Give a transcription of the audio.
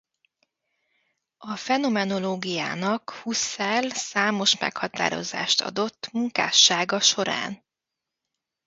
A fenomenológiának Husserl számos meghatározást adott munkássága során.